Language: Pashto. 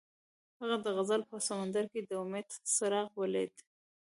هغه د غزل په سمندر کې د امید څراغ ولید.